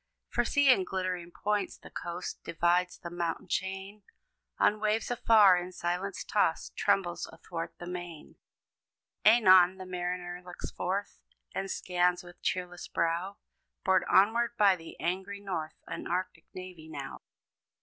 For see! in glittering points, the coast Divides; the mountain chain, On waves afar in silence tossed, Trembles athwart the main. Anon, the mariner looks forth, And scans with cheerless brow, Borne onward by the angry North, An arctic navy now.